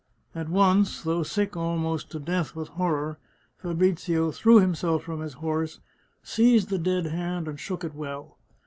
At once, though sick almost to death with horror, Fa brizio threw himself from his horse, seized the dead hand and shook it well.